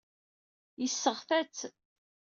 Yesseɣta-tt.